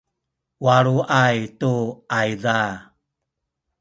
waluay tu ayza